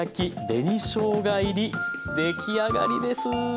出来上がりです。